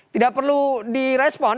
tidak perlu direspon